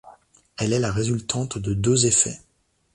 Elle est la résultante de deux effets.